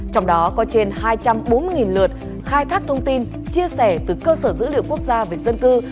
trong đó có trên hai trăm bốn mươi lượt khai thác thông tin chia sẻ từ cơ sở dữ liệu quốc gia về dân cư